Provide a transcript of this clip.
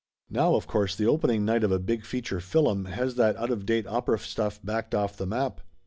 Now of course the opening night of a big feature fillum has that out of date opera stuff backed off the map.